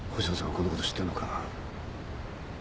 このこと知ってんのか？